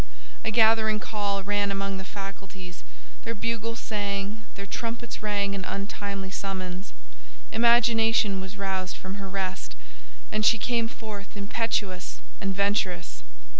A gathering call ran among the faculties, their bugles sang, their trumpets rang an untimely summons. Imagination was roused from her rest, and she came forth impetuous and venturous.